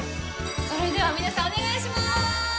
それでは皆さんお願いします！